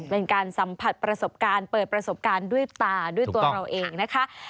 เป็นการสัมผัสประสบการณ์เปิดประสบการณ์ด้วยตาด้วยตัวเราเองนะคะ